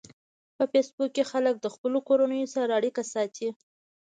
په فېسبوک کې خلک د خپلو کورنیو سره اړیکه ساتي